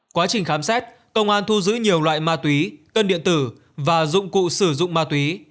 quá trình khám xét công an thu giữ nhiều loại ma túy cân điện tử và dụng cụ sử dụng ma túy